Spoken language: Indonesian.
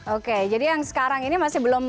oke jadi yang sekarang ini masih belum